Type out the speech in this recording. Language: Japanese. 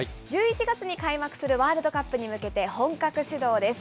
１１月に開幕するワールドカップに向けて、本格始動です。